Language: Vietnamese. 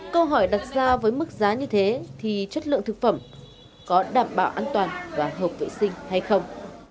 câu hỏi đặt ra với mức giá như thế thì chất lượng thực phẩm có đảm bảo an toàn và hợp vệ sinh hay không